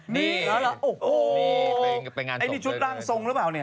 นี่นึกโอ้โฮไอ้มีชุดล่างทรงหรือเปล่าแปลก